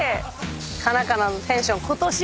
カナカナのテンションことし